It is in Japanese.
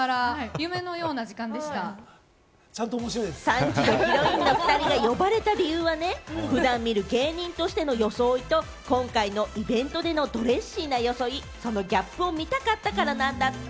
３時のヒロインの２人が呼ばれた理由はね、普段見る芸人としての装いと今回のイベントでのドレッシーな装い、そのギャップを見たかったからなんだって。